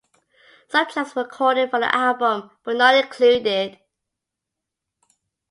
Some tracks were recorded for the album, but not included.